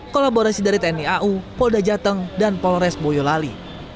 kolaborasi dari tni au polda jateng dan polres boyolali